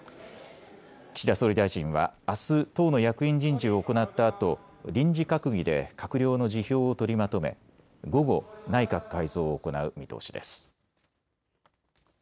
岸田総理大臣はあす党の役員人事を行ったあと臨時閣議で閣僚の辞表を取りまとめ午後、内閣改造を行う見通しです。